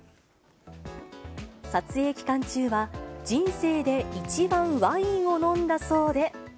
撮影期間中は、人生で一番ワインを飲んだそうで。